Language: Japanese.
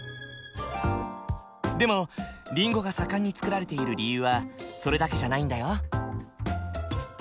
でもりんごが盛んに作られている理由はそれだけじゃないんだよ。